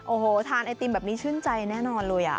โอ้โหทานไอติมแบบนี้ชื่นใจแน่นอนเลย